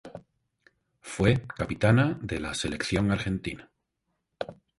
Fue capitana de la Selección argentina.